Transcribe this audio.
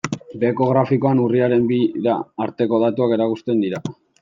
Beheko grafikoan urriaren bira arteko datuak erakusten dira.